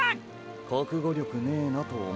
国語力ねーなと思って。